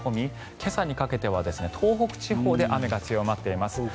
今朝にかけては東北地方で雨が強まっています。